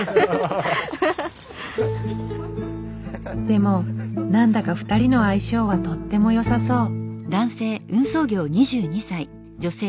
でも何だか２人の相性はとってもよさそう。